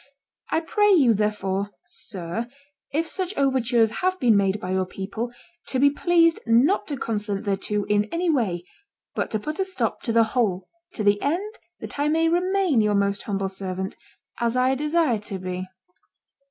I pray you, therefore, sir, if such overtures have been made by your people, to be pleased not to consent thereto in any way, but to put a stop to the whole, to the end that I may remain your most humble servant, as I desire to be."